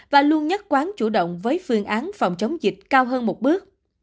và luôn nhất quán chủ động với phương án phòng chống dịch cao hơn một bước